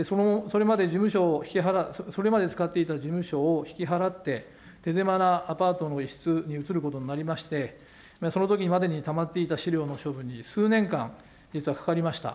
その、それまで使っていた事務所を引き払って、手狭なアパートの一室に移ることになりまして、そのときまでにたまっていた資料の処分に数年間、実はかかりました。